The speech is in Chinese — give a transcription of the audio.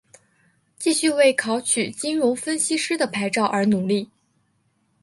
继续为考取金融分析师的牌照而努力。